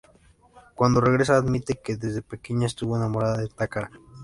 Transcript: Cuando regresa admite que desde pequeña estuvo enamorada de Takara.